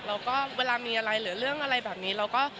แล้วเวลามีอะไรเหลือเรื่องอะไรแบบนี้